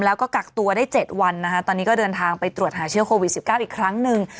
แล้วก็กักตัวได้๗วันนะคะตอนนี้ก็เดินทางไปตรวจหาเชื้อโควิด๑๙อีกครั้งหนึ่ง